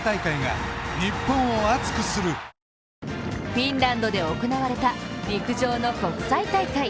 フィンランドで行われた陸上の国際大会。